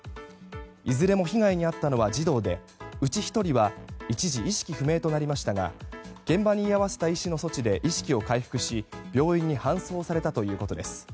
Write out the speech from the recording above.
いずれも被害に遭ったのは児童で、うち１人は一時、意識不明となりましたが現場に居合わせた医師の措置で意識を回復し病院へ搬送されたということです。